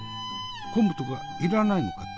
昆布とか要らないのかって？